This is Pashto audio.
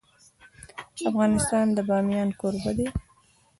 افغانستان د بامیان کوربه دی.